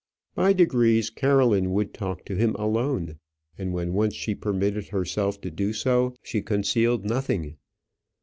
By degrees Caroline would talk to him alone, and when once she permitted herself to do so, she concealed nothing.